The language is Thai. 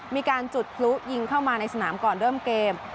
มีการจุดพลุยิงเข้ามาในสนามก่อนเริ่มเกม